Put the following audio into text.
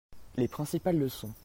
Les principales leçons.